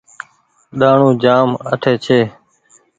ڏآڻو جآم اٺي ڇي۔